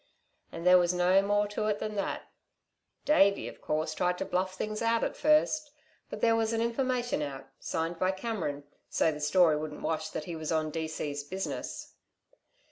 And there was no more to it than that. Davey, of course, tried to bluff things out at first; but there was an information out, signed by Cameron, so the story wouldn't wash that he was on D.C.'s business."